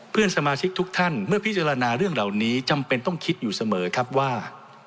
เพื่อนสมาชิกทุกท่านเมื่อพิจารณาเรื่องเหล่านี้จำเป็นต้องคิดอยู่เสมอครับว่า